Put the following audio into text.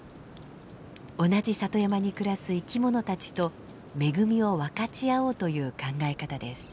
同じ里山に暮らす生き物たちと恵みを分かち合おうという考え方です。